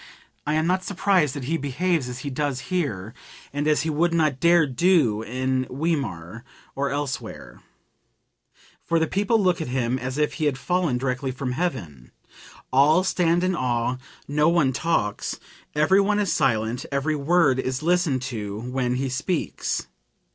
I am not surprised that he behaves as he does here (and as he would not dare do in Weimar or elsewhere), for the people look at him as if he had fallen direct from heaven. All stand in awe, no one talks, everyone is silent, every word is listened to when he speaks.